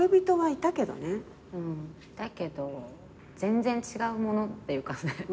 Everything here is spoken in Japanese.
いたけど全然違うものっていうかね。